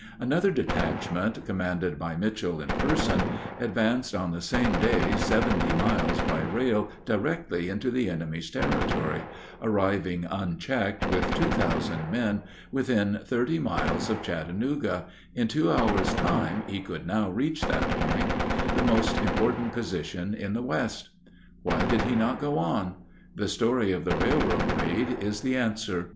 Another detachment, commanded by Mitchel in person, advanced on the same day seventy miles by rail directly into the enemy's territory, arriving unchecked with two thousand men within thirty miles of Chattanooga, in two hours' time he could now reach that point, the most important position in the West. Why did he not go on? The story of the railroad raid is the answer.